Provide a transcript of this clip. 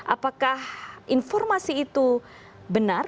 apakah informasi itu benar